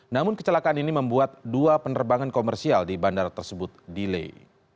namun kecelakaan ini membuat dua penerbangan komersial di bandara tersebut delay